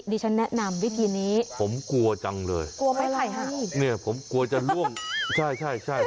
ดิฉันแนะนำวิธีนี้ผมกลัวจังเลยนี่ผมกลัวจะร่วงใช่